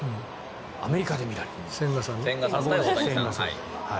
アメリカで見られる。